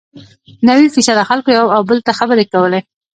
نوي فیصده خلکو یو او بل ته خبرې کولې.